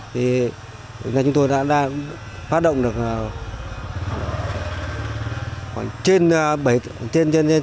địa phương chúng tôi hiện nay đang thực hiện chương trình xử lý rác thả hữu cơ tại gia đình